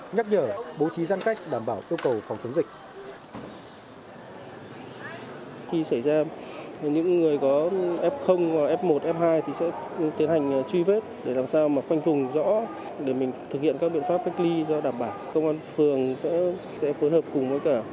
nhắc nhở bố trí gian cách đảm bảo tiêu cầu phòng chống dịch